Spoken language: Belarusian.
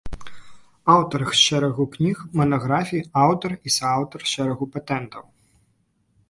Аўтар шэрагу кніг, манаграфіі, аўтар і сааўтар шэрагу патэнтаў.